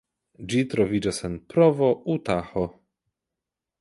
Ĝi troviĝas en Provo, Utaho.